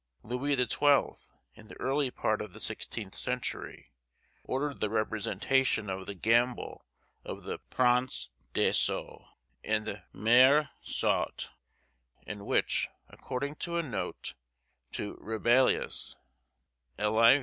Louis the Twelfth, in the early part of the sixteenth century, ordered the representation of the gambol of the 'Prince des Sots' and the 'Mère sotte,' in which, according to a note to Rabelais, liv.